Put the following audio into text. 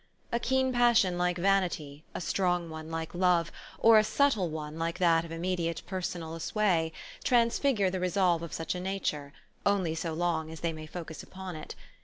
A keen passion like vanity, a strong one like love, or a subtle one like that of immediate personal sway, transfigure the resolve of such a nature, only so long as they may focus upon it.